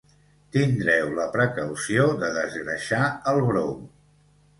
tindreu la precaució de desgreixar el brou